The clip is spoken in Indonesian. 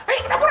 hei ke dapur ah